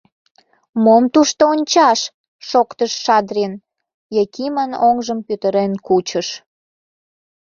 — Мом тушто ончаш! — шоктыш Шадрин, Якимын оҥжым пӱтырен кучыш.